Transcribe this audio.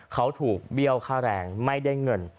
เขาถูกเบี้ยวค่าแรงไม่ได้เงิน